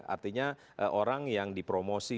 artinya orang yang dipromosi